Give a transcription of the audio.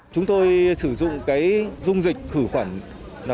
chúng tôi sử dụng dung dịch khử khuẩn